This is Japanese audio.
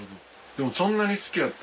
でもそんなに好きだったら。